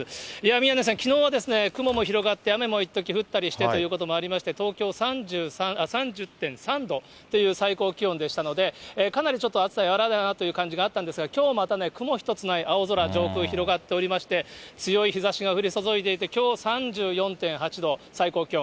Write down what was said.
宮根さん、きのうは雲も広がって、雨もいっとき降ったりしてということもあって、東京３０．３度という最高気温でしたので、かなりちょっと暑さ和らいだなという感じがあったんですが、きょうはまたね、雲一つない青空、上空、広がっておりまして、強い日ざしが降り注いでいて、きょう３４．８度、最高気温。